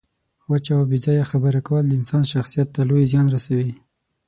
وچه او بې ځایه خبره کول د انسان شخصیت ته لوی زیان رسوي.